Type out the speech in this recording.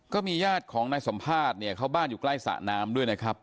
ก็มีญาติของนายสัมภาษณ์เนี่ยเขาบ้านอยู่ใกล้สระน้ำด้วยนะครับ